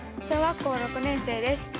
小学校６年生です。